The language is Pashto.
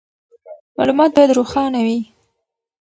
معلومات باید روښانه وي.